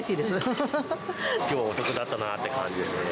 きょうはお得だったなって感じですね。